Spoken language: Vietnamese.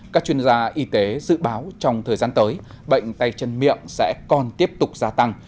các chuyên gia y tế dự báo trong thời gian tới bệnh tay chân miệng sẽ còn tiếp tục gia tăng